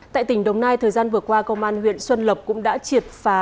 tại tỉnh đồng nai thời gian vừa qua công an huyện xuân lộc cũng đã triệt phá